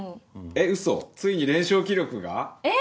ウソついに連勝記録が？え！